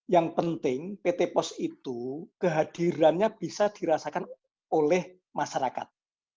yang penting pt pos itu kehadirannya bisa dirasakan oleh masyarakat